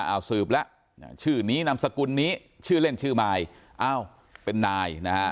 เอาสืบแล้วชื่อนี้นามสกุลนี้ชื่อเล่นชื่อมายอ้าวเป็นนายนะฮะ